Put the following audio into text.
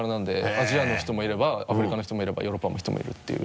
アジアの人もいればアフリカの人もいればヨーロッパの人もいるっていう。